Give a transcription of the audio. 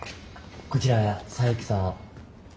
こちら佐伯さん。